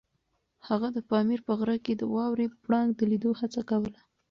هغه د پامیر په غره کې د واورې پړانګ د لیدو هڅه کوله.